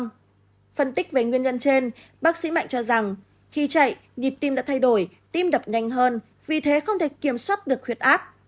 phân tích về nguyên nhân trên bác sĩ mạnh cho rằng khi chạy nhịp tim đã thay đổi tim đập nhanh hơn vì thế không thể kiểm soát được huyết áp